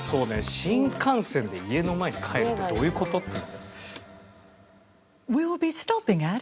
新幹線で家の前帰るってどういう事？っていう。